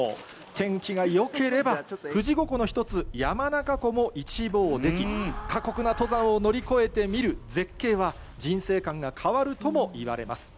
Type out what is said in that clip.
天気がよければ、富士五湖の一つ、山中湖も一望でき、過酷な登山を乗り越えて見る絶景は、人生観が変わるともいわれます。